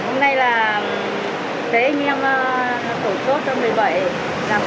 hôm nay là của anh em đối xuất cho một mươi bảy